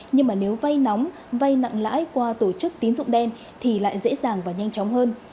nhưng mà nếu vay nóng vay nặng lãi qua tổ chức tín dụng đen thì lại dễ dàng và nhanh chóng hơn